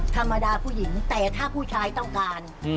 ธรรมดาผู้หญิงแต่ถ้าผู้ชายต้องการ